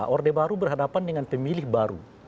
orde baru berhadapan dengan pemilih baru